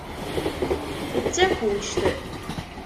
D takuct.